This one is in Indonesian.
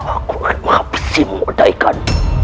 aku akan menghabisimu odaikan